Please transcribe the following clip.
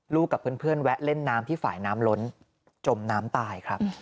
กับเพื่อนแวะเล่นน้ำที่ฝ่ายน้ำล้นจมน้ำตายครับ